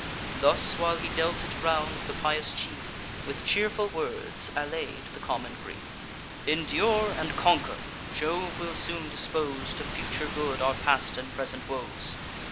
Thus while he dealt it round, the pious chief With cheerful words allay'd the common grief: "Endure, and conquer! Jove will soon dispose To future good our past and present woes.